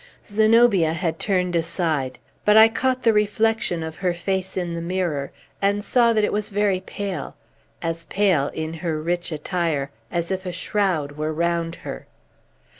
Zenobia had turned aside. But I caught the reflection of her face in the mirror, and saw that it was very pale, as pale, in her rich attire, as if a shroud were round her.